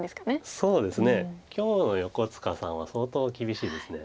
そうですね今日の横塚さんは相当厳しいです。